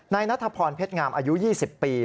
นายนัทพรเพชรงามอายุ๒๐ปี